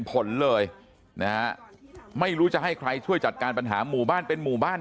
ผลเลยนะฮะไม่รู้จะให้ใครช่วยจัดการปัญหาหมู่บ้านเป็นหมู่บ้าน